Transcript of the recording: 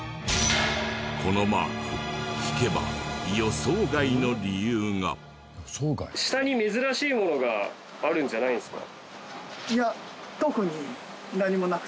このマーク聞けば下に珍しいものがあるんじゃないんですか？